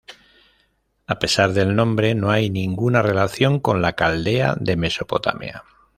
A pesar del nombre, no hay ninguna relación con la Caldea de Mesopotamia.